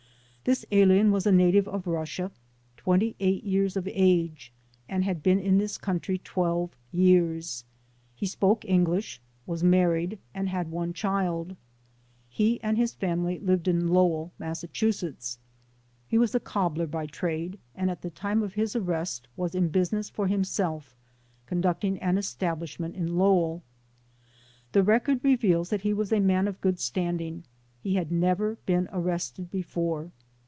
This alien was a native of Russia, twenty eight years of age, and had been in this country twelve years. He spoke English, was married and had one child. He and his family lived in Lowell, Mass. He was a cobbler by trade and at the time of his arrest was in business for himself, conducting an establishment in Lowell. The rec ord reveals that he was a man of good standing ; he had never been arrested before.